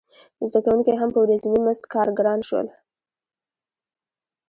زده کوونکي هم په ورځیني مزد کارګران شول.